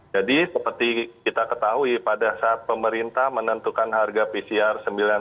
jadi seperti kita ketahui pada saat pemerintah menentukan harga pcr